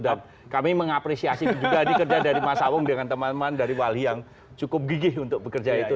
dan kami mengapresiasi juga dikerja dari mas awong dengan teman teman dari wali yang cukup gigih untuk bekerja itu